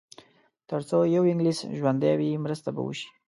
تر څو یو انګلیس ژوندی وي مرسته به وشي.